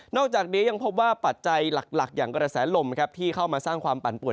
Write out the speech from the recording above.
อกจากนี้ยังพบว่าปัจจัยหลักอย่างกระแสลมที่เข้ามาสร้างความปั่นป่วน